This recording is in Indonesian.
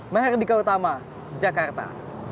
meherdika utama jakarta